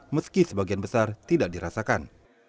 meski sebagian besar tidak dirasakan